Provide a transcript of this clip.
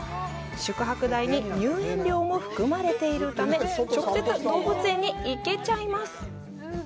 宿泊代に入園料も含まれているため、直接、動物園に行けちゃいます。